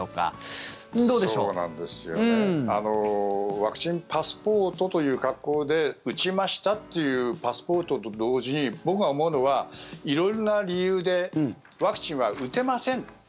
ワクチンパスポートという格好で打ちましたっていうパスポートと同時に僕が思うのは、色々な理由でワクチンは打てません